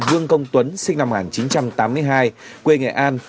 vương công tuấn sinh năm một nghìn chín trăm tám mươi hai quê nghệ an